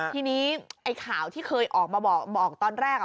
ทีนี้ไอ้ข่าวที่เคยออกมาบอกตอนแรก